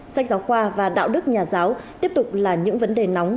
sách giáo khoa và đạo đức nhà giáo tiếp tục là những vấn đề nóng